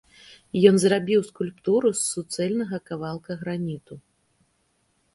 Ён зрабіў скульптуру з суцэльнага кавалка граніту.